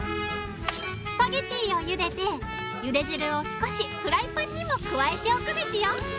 スパゲティーをゆでてゆで汁を少しフライパンにも加えておくベジよ